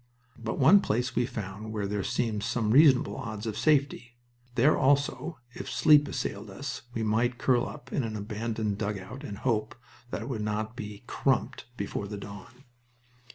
But one place we found where there seemed some reasonable odds of safety. There also, if sleep assailed us, we might curl up in an abandoned dugout and hope that it would not be "crumped" before the dawn.